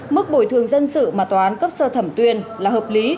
mức bồi thường dân sự mà tòa án cấp sơ thẩm tuyên là hợp lý